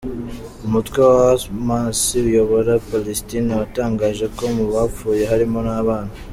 Umutwe wa Hamas uyobora Palestine watangaje ko mu bapfuye harimo n’abana.